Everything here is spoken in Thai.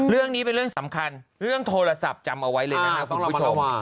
เรื่องนี้เป็นเรื่องสำคัญเรื่องโทรศัพท์จำเอาไว้เลยนะครับคุณผู้ชม